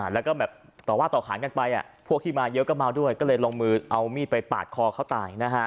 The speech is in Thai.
แล้วก็แบบต่อว่าต่อขานกันไปพวกที่มาเยอะก็เมาด้วยก็เลยลงมือเอามีดไปปาดคอเขาตายนะฮะ